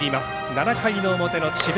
７回の表の智弁